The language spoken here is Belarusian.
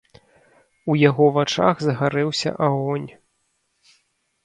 У яго вачах загарэўся агонь.